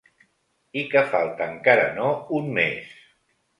I que falta encara no un mes.